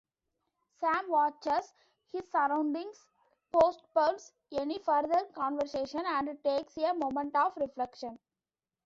Sam watches his surroundings, postpones any further conversation, and takes a moment of reflection.